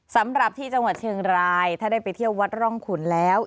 สำหรับที่จังหวัดเชียงรายถ้าได้ไปเที่ยววัดร่องขุนแล้ว